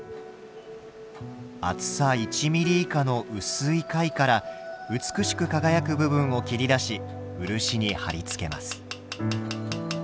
厚さ１ミリ以下の薄い貝から美しく輝く部分を切り出し漆に貼り付けます。